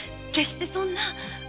決してそんな。